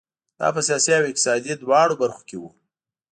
دا په سیاسي او اقتصادي دواړو برخو کې وو.